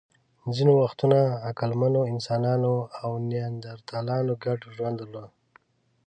ځینې وختونه عقلمنو انسانانو او نیاندرتالانو ګډ ژوند درلود.